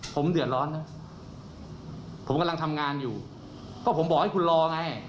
ผมเดือดร้อนนะผมกำลังทำงานอยู่ก็ผมบอกให้คุณรอไง